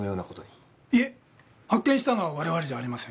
いえ発見したのは我々じゃありません。